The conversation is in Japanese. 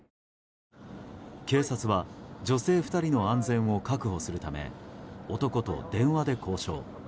警察は女性２人の安全を確保するため男と電話で交渉。